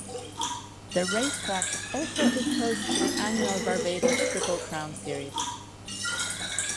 The racetrack also is host to the annual Barbados Triple Crown series.